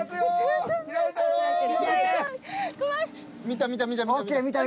見た見た見た見た。